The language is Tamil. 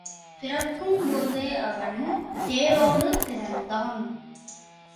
பிறக்கும்போதே அவன் தேரோடு பிறந்தான்.